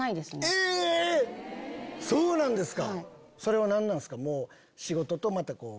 あっそうなんですか。